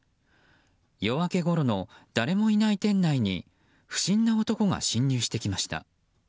夜明け頃の誰もいない店内に不審な男が侵入してきました。